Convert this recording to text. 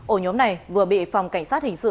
ổ nhóm này vừa bị phòng cảnh sát hình sự